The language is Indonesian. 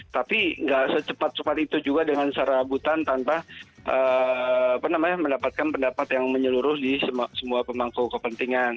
tapi nggak secepat cepat itu juga dengan serabutan tanpa mendapatkan pendapat yang menyeluruh di semua pemangku kepentingan